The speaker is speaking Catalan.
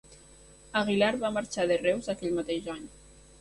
Aguilar va marxar de Reus aquell mateix any.